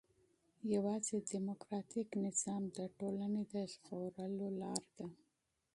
يوازي ډيموکراټيک نظام د ټولني د ژغورلو لار ده.